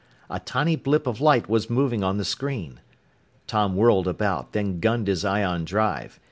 A tiny blip of light was moving on the screen! Tom whirled about, then gunned his ion drive.